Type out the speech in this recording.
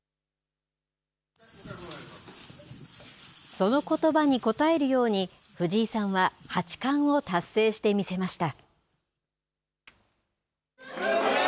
そのことばに応えるように藤井さんは八冠を達成してみせました。